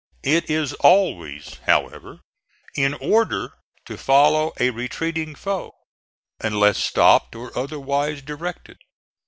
It is always, however, in order to follow a retreating foe, unless stopped or otherwise directed.